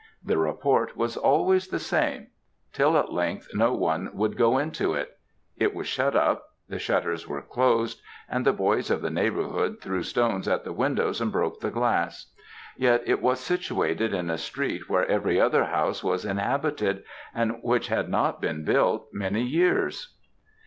The report was always the same; till, at length, no one would go into it; it was shut up the shutters were closed, and the boys of the neighbourhood threw stones at the windows and broke the glass. Yet it was situated in a street where every other house was inhabited, and which had not been built many years.